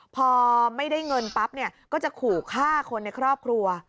พอไม่ได้เงินปั๊บเนี่ยก็จะขู่ฆ่าคนในครอบครัว